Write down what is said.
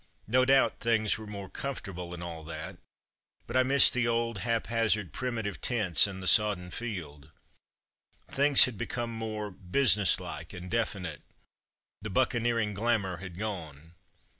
No doubt things were more comfortable and all that, but I missed the old, haphazard, primi tive tents in the sodden field. Things had become more businesslike and definite. The buccaneering glamour had gone.